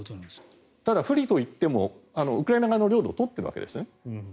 ただ不利といってもウクライナ側の領土を取っているわけですよね。